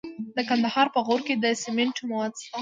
د کندهار په غورک کې د سمنټو مواد شته.